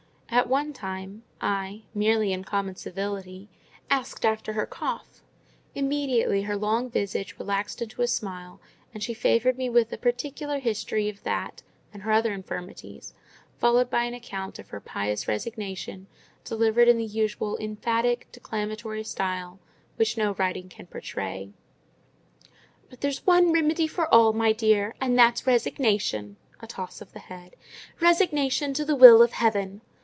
At one time, I, merely in common civility, asked after her cough; immediately her long visage relaxed into a smile, and she favoured me with a particular history of that and her other infirmities, followed by an account of her pious resignation, delivered in the usual emphatic, declamatory style, which no writing can portray. "But there's one remedy for all, my dear, and that's resignation" (a toss of the head), "resignation to the will of heaven!"